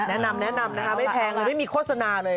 แนะนำแนะนำนะคะไม่แพงเลยไม่มีโฆษณาเลย